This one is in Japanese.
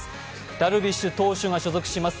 ダルビッシュ投手が所属します